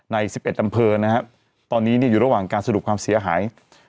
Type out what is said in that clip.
ใน๑๑อำเภอนะครับตอนนี้อยู่ระหว่างการสรุปความเสียหาย